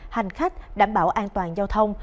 hành khách đảm bảo an toàn giao thông